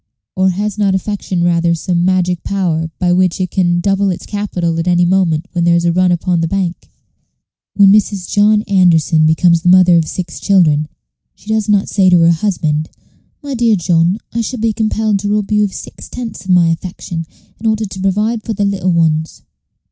or has not affection rather some magic power by which it can double its capital at any moment when there is a run upon the bank? When Mrs. John Anderson becomes the mother of six children, she does not say to her husband, "My dear John, I shall be compelled to rob you of six tenths of my affection in order to provide for the little ones."